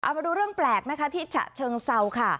เอามาดูเรื่องแปลกที่ฉะเชิงเซาค่ะ